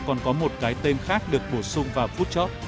còn có một cái tên khác được bổ sung vào food shop